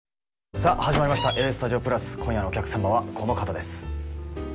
さあ始まりました「ＡＳＴＵＤＩＯ＋」今夜のお客様はこの方です